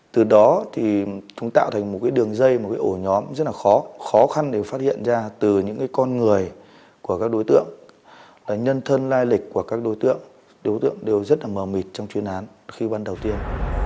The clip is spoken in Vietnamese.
từ đó chúng tạo thành một đường dây một ổ nhóm rất khó khăn để phát hiện ra từ những con người của các đối tượng nhân thân lai lịch của các đối tượng đối tượng đều rất mờ mịt trong chuyến án khi bắt đầu tiên